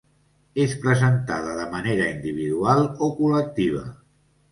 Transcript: És presentada de manera individual o col·lectiva.